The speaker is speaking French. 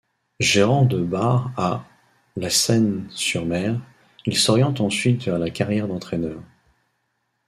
Gérant de bar à La Seyne-sur-Mer, il s'oriente ensuite vers la carrière d'entraîneur.